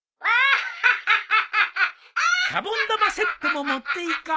シャボン玉セットも持っていこう。